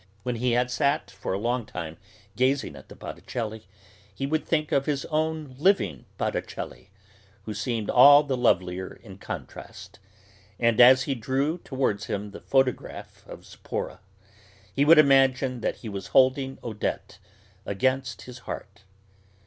When he had sat for a long time gazing at the Botticelli, he would think of his own living Botticelli, who seemed all the lovelier in contrast, and as he drew towards him the photograph of Zipporah he would imagine that he was holding Odette against his heart.